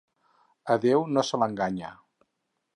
A Déu no se l'enganya.